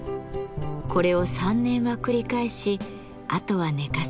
これを３年は繰り返しあとは寝かせておきます。